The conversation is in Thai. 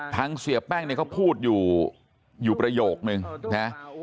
เสียแป้งเนี่ยเขาพูดอยู่อยู่ประโยคนึงนะ